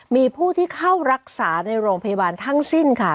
มีผู้ที่เข้ารักษาในโรงพยาบาลทั้งสิ้นค่ะ